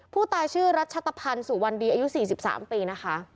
ผู้ตายชื่อรัชตะพันธ์สุวรรณดีอายุ๔๓ปีนะคะ